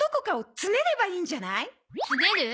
つねる？